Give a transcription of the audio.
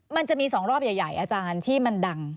มันจะมี๒รอบใหญ่อาจารย์ที่มันดัง